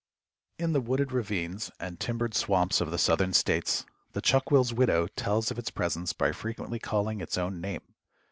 _) In the wooded ravines and timbered swamps of the southern states, the Chuck will's widow tells of its presence by frequently calling its own name.